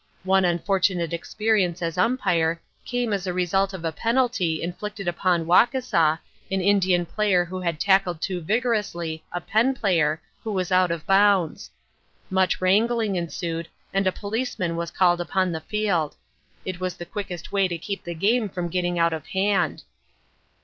One unfortunate experience as Umpire came as a result of a penalty inflicted upon Wauseka, an Indian player who had tackled too vigorously a Penn' player who was out of bounds. Much wrangling ensued and a policeman was called upon the field. It was the quickest way to keep the game from getting out of hand.